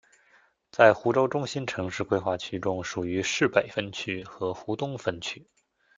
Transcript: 在湖州中心城市规划区中属于市北分区和湖东分区。